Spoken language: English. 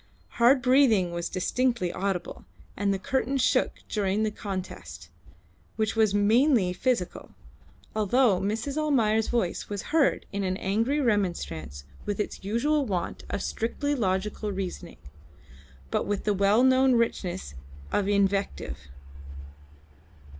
Hard breathing was distinctly audible, and the curtain shook during the contest, which was mainly physical, although Mrs. Almayer's voice was heard in angry remonstrance with its usual want of strictly logical reasoning, but with the well known richness of invective.